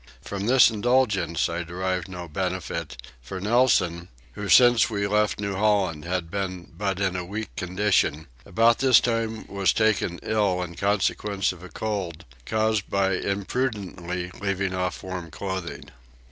From this indulgence I derived no benefit, for Nelson, who since we left New Holland had been but in a weak condition, about this time was taken ill in consequence of a cold caused by imprudently leaving off warm clothing.